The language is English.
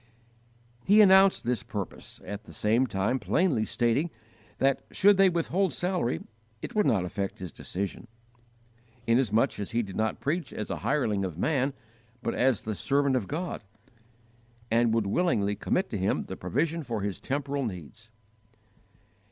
He announced this purpose, at the same time plainly stating that, should they withhold salary, it would not affect his decision, inasmuch as he did not preach as a hireling of man, but as the servant of God, and would willingly commit to Him the provision for his temporal needs.